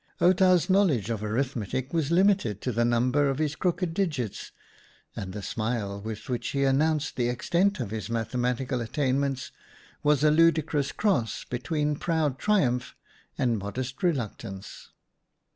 Outa's knowledge of arithmetic was limited to the number of his crooked digits, and the smile with which he announced the extent of THE SUN 61 his mathematical attainments was a ludicrous cross between proud triumph and modest reluctance.